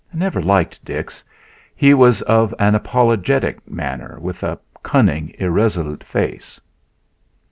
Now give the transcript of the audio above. I never liked Dix; he was of an apologetic manner, with a cunning, irresolute face.